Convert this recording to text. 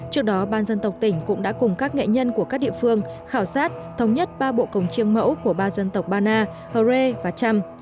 trước đó ban dân tộc tỉnh cũng đã cùng các nghệ nhân của các địa phương khảo sát thống nhất ba bộ cồng chiêng mẫu của ba dân tộc bana hờ rê và cham